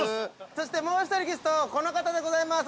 ◆そしてもう１人ゲスト、この方でございます。